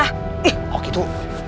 eh aku itu